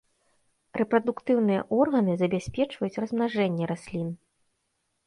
Рэпрадуктыўныя органы забяспечваюць размнажэнне раслін.